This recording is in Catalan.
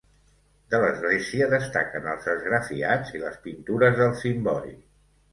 De l'església destaquen els esgrafiats i les pintures del cimbori.